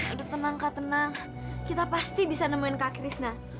udah tenang kak tenang kita pasti bisa nemuin kak krishna